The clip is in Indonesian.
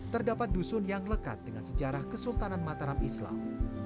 terdapat dusun yang lekat dengan sejarah kesultanan mataram islam